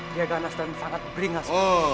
dia ganas dan sangat beringas